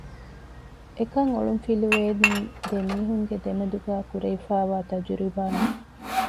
އެކަން އޮޅުން ފިލުވޭނީ ދެމީހުންގެ ދެމެދުގައި ކުރެވިފައިވާ ތަޖުރިބާއިން